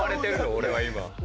俺は今？